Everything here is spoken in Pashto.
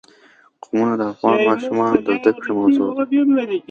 قومونه د افغان ماشومانو د زده کړې موضوع ده.